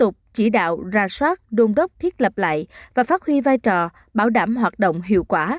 tục chỉ đạo ra soát đôn đốc thiết lập lại và phát huy vai trò bảo đảm hoạt động hiệu quả